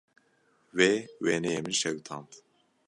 Wê wêneyê min şewitand.